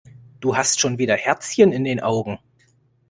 Du hast schon wieder Herzchen in den Augen.